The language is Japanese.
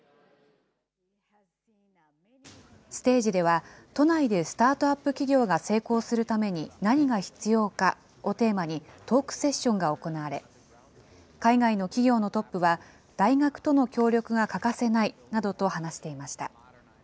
ステージでは、都内でスタートアップ企業が成功するために何が必要かをテーマに、トークセッションが行われ、海外の企業のトップは、大学との協力が欠かせないなどと話していました。